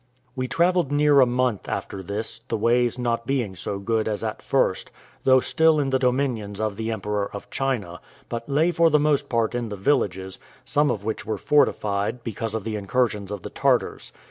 We travelled near a month after this, the ways not being so good as at first, though still in the dominions of the Emperor of China, but lay for the most part in the villages, some of which were fortified, because of the incursions of the Tartars.